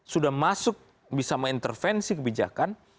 sudah masuk bisa mengintervensi kebijakan